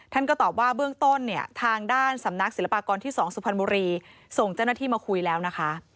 ท่านก็ตอบว่าเบื้องต้นเนี่ยทางด้านสำนักศิลปากรที่๒สุพรรณบุรีส่งเจ้าหน้าที่มาคุยแล้วนะคะ